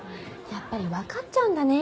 やっぱりわかっちゃうんだね